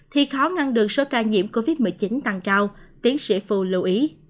thì khó ngăn được số ca nhiễm covid một mươi chín tăng cao tiến sĩ phù lưu ý